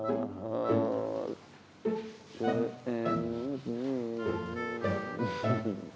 tidak kegev lagi